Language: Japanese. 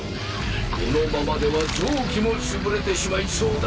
このままでは臓器もつぶれてしまいそうだ。